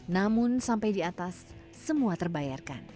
namun sampai di atas semua terbayarkan